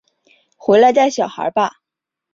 回来带小孩吧